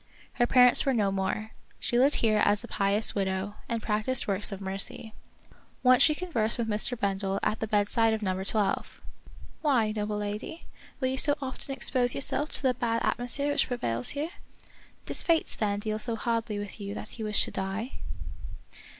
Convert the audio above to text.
Her parents were no more. She lived here as a pious widow, and practiced works of mercy. Once she conversed with Mr. Bendel at the bedside of Number Twelve, " Why, noble lady, will you so often expose yourself to the bad at mosphere which prevails here } Does fate, then, deal so hardly with you that you wish to die